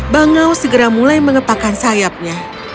bangau segera mulai mengepakkan sayapnya